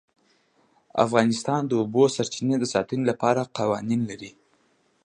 افغانستان د د اوبو سرچینې د ساتنې لپاره قوانین لري.